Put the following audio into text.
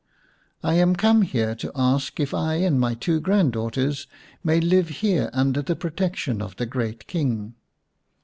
" I am come here to ask if I and my two grand daughters may live here under the pro tection of the great King."